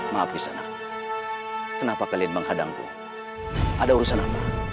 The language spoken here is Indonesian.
bagaimana dengan bang hadangku ada urusan apa